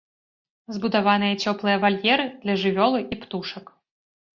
Збудаваныя цёплыя вальеры для жывёлы і птушак.